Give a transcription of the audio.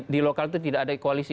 di lokal itu tidak ada koalisi